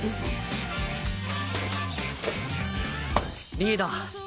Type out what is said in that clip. リーダー